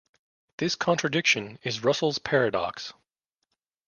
This contradiction is Russell's paradox.